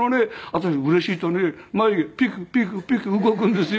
私うれしいとね眉毛ピクピクピク動くんですよ。